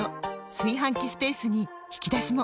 炊飯器スペースに引き出しも！